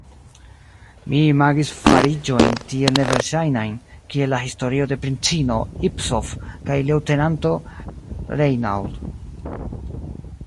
Mi imagis fariĝojn tiel neverŝajnajn, kiel la historio de princino Ipsof kaj leŭtenanto Reinauld.